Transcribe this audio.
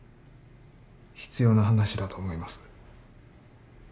必要な話だと思います。